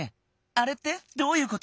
あれってどういうこと？